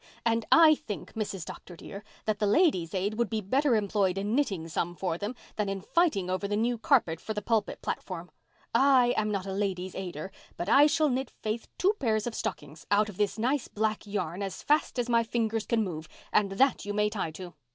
And I think, Mrs. Dr. dear, that the Ladies' Aid would be better employed in knitting some for them than in fighting over the new carpet for the pulpit platform. I am not a Ladies' Aider, but I shall knit Faith two pairs of stockings, out of this nice black yarn, as fast as my fingers can move and that you may tie to.